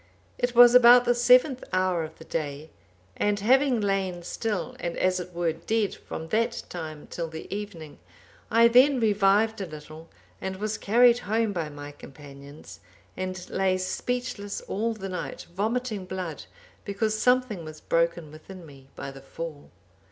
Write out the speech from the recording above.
It was about the seventh hour of the day, and having lain still and as it were dead from that time till the evening, I then revived a little, and was carried home by my companions, and lay speechless all the night, vomiting blood, because something was broken within me by the fall.